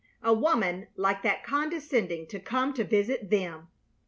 A woman like that condescending to come to visit them!